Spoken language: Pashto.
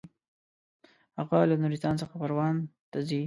هغه له نورستان څخه پروان ته ځي.